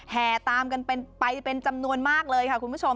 แห่ตามกันไปเป็นจำนวนมากเลยค่ะคุณผู้ชม